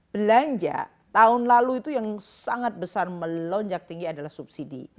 belanja tahun lalu itu yang sangat besar melonjak tinggi adalah subsidi